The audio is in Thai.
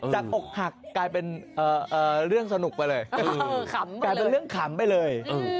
จากอกหักกลายเป็นเรื่องสนุกไปเลย